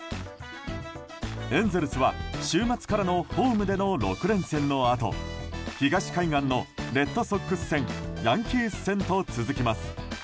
エンゼルスは週末からのホームでの６連戦のあと東海岸のレッドソックス戦ヤンキース戦と続きます。